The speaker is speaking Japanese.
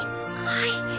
はい。